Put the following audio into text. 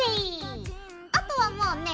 あとはもうね